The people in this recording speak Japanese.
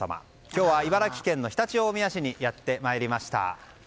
今日は茨城県の常陸大宮市にやってまいりました。